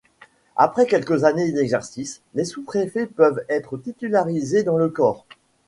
Après quelques années d'exercice, les sous-préfets peuvent être titularisés dans le corps.